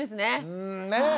うんねえ！